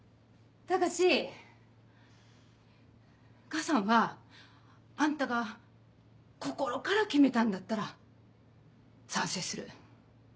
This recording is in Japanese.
母さんはあんたが心から決めたんだったら賛成する。